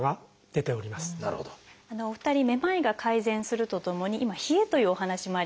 お二人めまいが改善するとともに今冷えというお話もありました。